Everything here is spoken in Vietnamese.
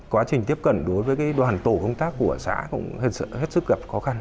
quá trình tiếp cận đối với đoàn tổ công tác của xã cũng hết sức gặp khó khăn